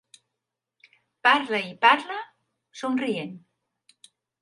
Parla i parla, somrient.